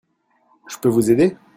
Je peux vous aider ?